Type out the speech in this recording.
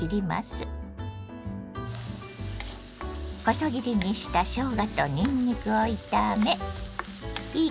細切りにしたしょうがとにんにくを炒めいい